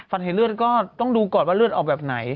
หายเลือดก็ต้องดูก่อนว่าเลือดออกแบบไหน